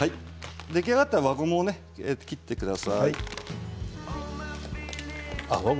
出来上がったら輪ゴムを切ってください。